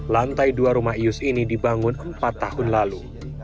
lantai dua rumah ius ini dibangun empat tahun lalu